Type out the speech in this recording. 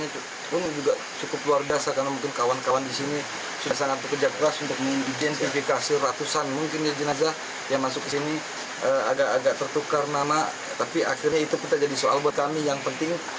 tapi akhirnya itu pun menjadi soal buat kami yang penting